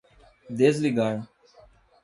Desligar.